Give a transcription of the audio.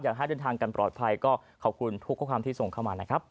ให้เดินทางกันปลอดภัยก็ขอบคุณทุกข้อความที่ส่งเข้ามานะครับ